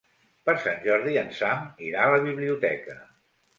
Per Sant Jordi en Sam irà a la biblioteca.